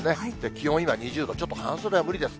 気温今２０度、ちょっと半袖は無理です。